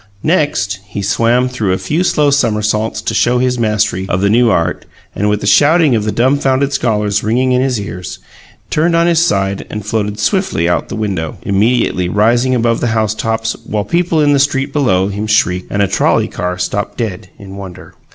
Next, he swam through a few slow somersaults to show his mastery of the new art, and, with the shouting of the dumfounded scholars ringing in his ears, turned on his side and floated swiftly out of the window, immediately rising above the housetops, while people in the street below him shrieked, and a trolley car stopped dead in wonder.